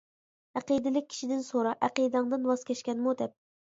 ئەقىدىلىك كىشىدىن سورا، ئەقىدەڭدىن ۋاز كەچكەنمۇ دەپ.